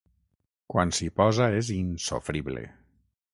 Quan s'hi posa és insofrible.